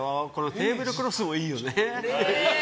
テーブルクロスもいいよね。